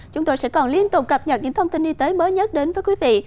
chúng tôi sẽ còn liên tục cập nhật những thông tin y tế mới nhất đến với quý vị